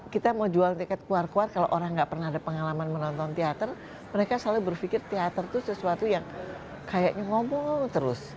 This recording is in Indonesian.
kita mau jual tiket keluar keluar kalau orang nggak pernah ada pengalaman menonton teater mereka selalu berpikir teater itu sesuatu yang kayaknya ngomong ngomong terus